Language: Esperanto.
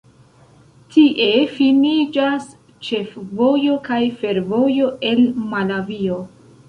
Tie finiĝas ĉefvojo kaj fervojo el Malavio.